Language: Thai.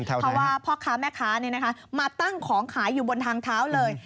เพราะว่าพ่อค้าแม่ค้ามาตั้งของขายอยู่บนทางเท้าเลย